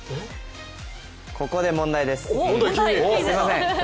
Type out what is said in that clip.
ここで問題です。